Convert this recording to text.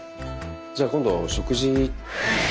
じゃあ今度食事。